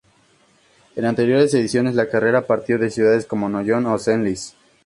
En anteriores ediciones la carrera partió de ciudades como Noyon o Senlis.